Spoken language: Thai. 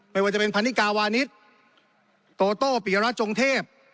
ไม่ว่าจะเป็นพันนิกาวานิสโตโต้ปิยรัฐจงเทพ